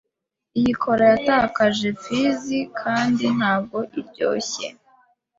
Iyi cola yatakaje fiz kandi ntabwo iryoshye.